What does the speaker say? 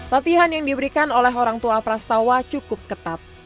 latihan yang diberikan oleh orang tua pras tawa cukup ketat